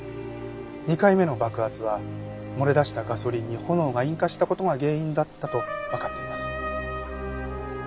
２回目の爆発は漏れ出したガソリンに炎が引火した事が原因だったとわかっています。